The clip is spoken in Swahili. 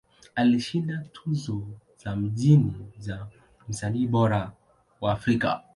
Alishinda tuzo za mijini za Msanii Bora wa Afrika.